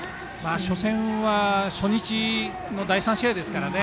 初戦は初日の第３試合ですからね。